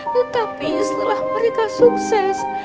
tetapi setelah mereka sukses